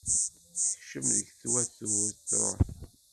Tekcem deg twaturt, truḥ.